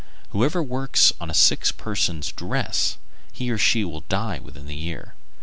Whoever works on a sick person's dress, he or she will die within the year.